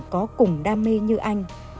có cùng đam mê như anh